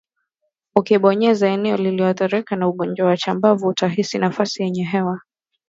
Ukibonyeza eneo lililoathirika na ugonjwa wa chambavu utahisi nafasi yenye hewa